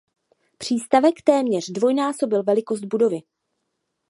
Přístavek téměř zdvojnásobil velikost budovy.